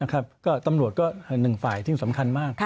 ก็ตำรวจก็หนึ่งฝ่ายที่สำคัญมาก